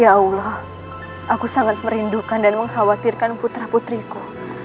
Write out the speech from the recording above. ya allah aku sangat merindukan dan mengkhawatirkan putra putriku